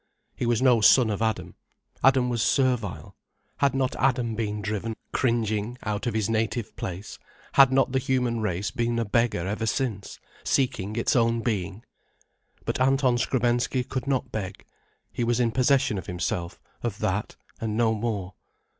He was no son of Adam. Adam was servile. Had not Adam been driven cringing out of his native place, had not the human race been a beggar ever since, seeking its own being? But Anton Skrebensky could not beg. He was in possession of himself, of that, and no more.